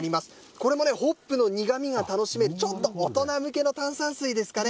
これも、ホップの苦みが楽しめる、ちょっと大人向けの炭酸水ですかね。